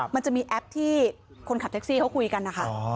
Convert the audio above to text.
มันจะมีแอปที่คนขับแท็กซี่เขาคุยกันนะคะ